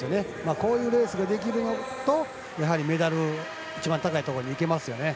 こういうレースができるとメダル一番高いところにいけますよね。